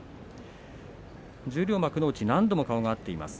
十両、幕内、何度も顔が合っています。